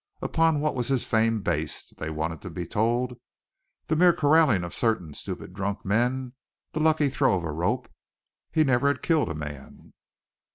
Upon what was his fame based? they wanted to be told. The mere corraling of certain stupid drunk men; the lucky throw of a rope. He never had killed a man!